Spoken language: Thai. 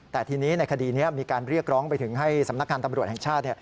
แต่ทีนี้ในคดีนี้มีการเรียกร้องไปถึงให้สำนักงานตำรวจแห่งชาติ